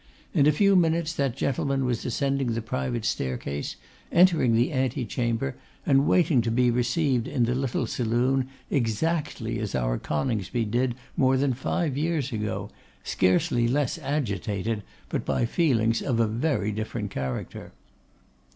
In a few minutes that gentleman was ascending the private staircase, entering the antechamber, and waiting to be received in the little saloon, exactly as our Coningsby did more than five years ago, scarcely less agitated, but by feelings of a very different character.